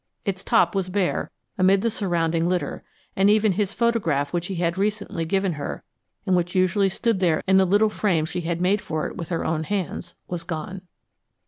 Its top was bare, amid the surrounding litter, and even his photograph which he had recently given her, and which usually stood there in the little frame she had made for it with her own hands, was gone.